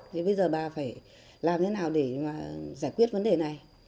thì bây giờ bà phải làm thế nào để mà giải quyết vấn đề này